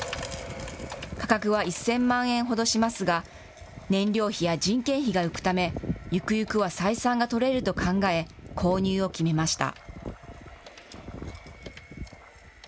価格は１０００万円ほどしますが、燃料費や人件費が浮くため、ゆくゆくは採算が取れると考え、購入を決めました。